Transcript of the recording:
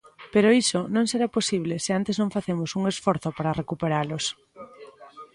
Pero iso non será posible se antes non facemos un esforzo para recuperalos.